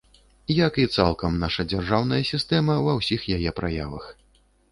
Як і цалкам наша дзяржаўная сістэма ва ўсіх яе праявах.